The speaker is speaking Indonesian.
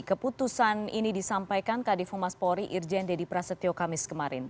keputusan ini disampaikan kd fumas polri irjen dedy prasetyo kamis kemarin